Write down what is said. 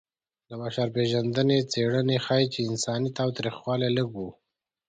د بشر پېژندنې څېړنې ښيي چې انساني تاوتریخوالی لږ و.